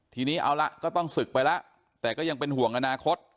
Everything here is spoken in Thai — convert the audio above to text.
ทีนี้เอาละก็ต้องศึกไปแล้วแต่ก็ยังเป็นห่วงอนาคต